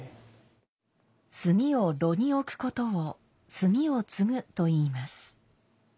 炭を炉に置くことを「炭をつぐ」と言います。